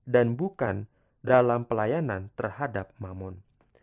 dan bukan dalam pelayanan terhadap mamun